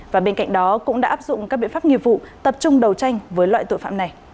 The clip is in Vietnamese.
và bên cạnh đó cũng đã áp dụng các biện pháp nghiệp vụ tập trung đầu tranh với loại tội phạm này